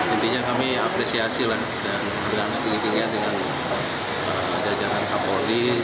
intinya kami apresiasi lah dan dengan setinggi tingginya dengan jajaran kapolri